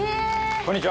こんにちは。